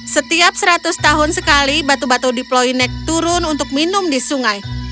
setiap seratus tahun sekali batu batu diploinek turun untuk minum di sungai